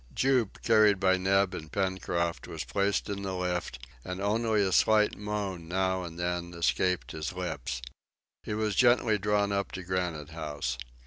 Jup, carried by Neb and Pencroft, was placed in the lift, and only a slight moan now and then escaped his lips. He was gently drawn up to Granite House.